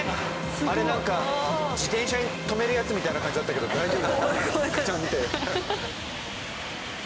あれなんか自転車止めるやつみたいな感じだったけど大丈夫？